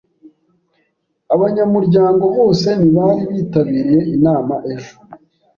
Abanyamuryango bose ntibari bitabiriye inama ejo.